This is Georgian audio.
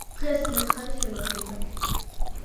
დღეს მერცხალი შემოფრინდა,